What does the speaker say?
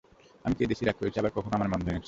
আমিও কেঁদেছি, রাগ করেছি, আবার কখনো আমার মন ভেঙ্গেছে।